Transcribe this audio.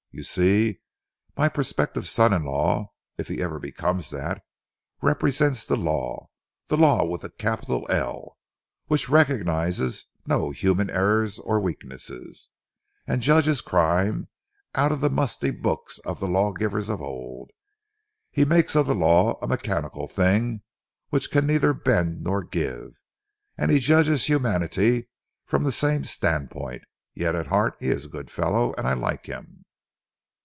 You see, my prospective son in law, if ever he becomes that, represents the law the Law with a capital 'L' which recognises no human errors or weaknesses, and judges crime out of the musty books of the law givers of old. He makes of the law a mechanical thing which can neither bend nor give, and he judges humanity from the same standpoint. Yet at heart he is a good fellow and I like him."